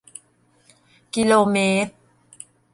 กิโลเมตร